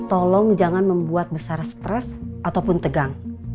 tolong jangan membuat bu sarah stres ataupun tegang